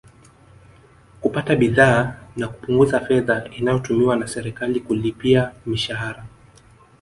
Kupata bidhaa na kupunguza fedha inayotumiwa na serikali kulipia mishahara